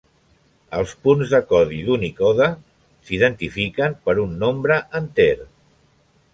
Els punts de codi d'Unicode s'identifiquen per un nombre enter.